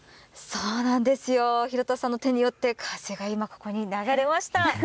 そうなんですよ、廣田さんの手によって、風が今、ここに流れました。